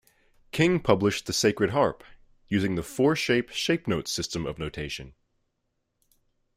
King published "The Sacred Harp", using the four-shape shape note system of notation.